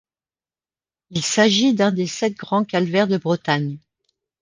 Il s'agit d'un des sept grands calvaires de Bretagne.